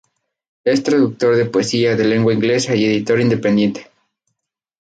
Es traductor de poesía de lengua inglesa y editor independiente.